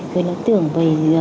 vì nó tưởng về